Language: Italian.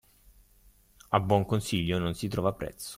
A buon consiglio non si trova prezzo.